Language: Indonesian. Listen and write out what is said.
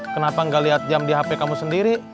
kenapa gak lihat jam di hp kamu sendiri